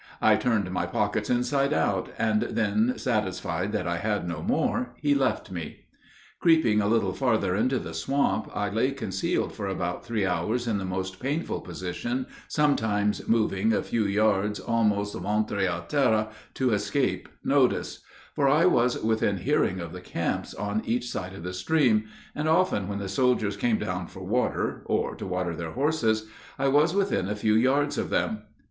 I turned my pockets inside out, and then, satisfied that I had no more, he left me. Creeping a little farther into the swamp, I lay concealed for about three hours in the most painful position, sometimes moving a few yards almost ventre à terre to escape notice; for I was within hearing of the camps on each side of the stream, and often when the soldiers came down for water, or to water their horses, I was within a few yards of them.